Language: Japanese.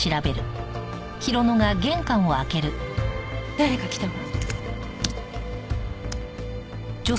誰か来たわ。